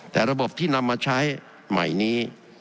แต่ระบบที่นำมาใช้ใหม่นี้